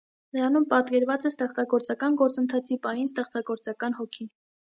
Նրանում պատկերված է «ստեղծագործական գործընթացի պահին ստեղծագործական հոգին»։